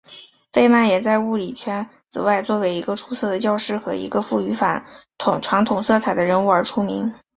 费曼也在物理圈子外作为一个出色的教师和一个富于反传统色彩的人物而出名。